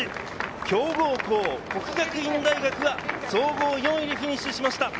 強豪校・國學院大學が総合４位でフィニッシュしました。